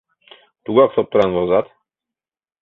Тугак соптыран возат.